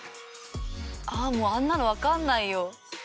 ああもうあんなのわかんないよ。